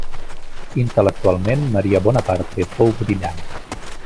Intel·lectualment Maria Bonaparte fou brillant.